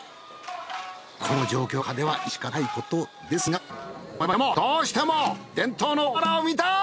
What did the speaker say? この状況下では致し方ないことですがでもでもでもどうしても伝統のおわらを見たい！